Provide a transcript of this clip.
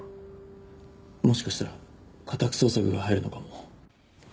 もしかしたら家宅捜索が入るのかも。